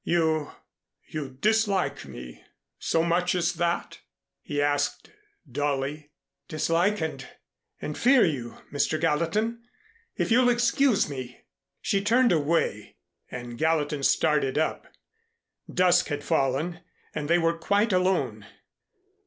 "You you dislike me so much as that?" he asked dully. "Dislike and and fear you, Mr. Gallatin. If you'll excuse me " She turned away and Gallatin started up. Dusk had fallen and they were quite alone.